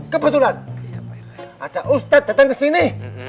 kebetulan ada ustadz datang kesini